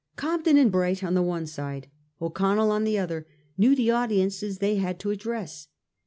Cob den and Bright on the one side, O'Connell on the other, knew the audiences they had to address.